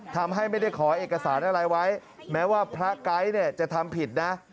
ทำให้ไม่ได้ขอเอกสารอะไรไว้แม้ว่าพระไก๊เนี่ยจะทำผิดนะ